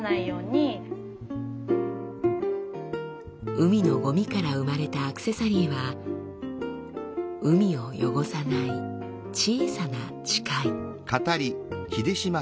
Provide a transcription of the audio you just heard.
海のゴミから生まれたアクセサリーは海を汚さない小さな誓い。